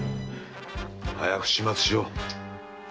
早く始末しよう。